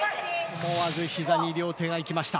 思わずひざに両手がいきました。